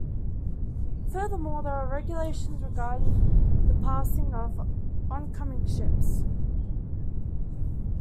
Furthermore, there are regulations regarding the passing of oncoming ships.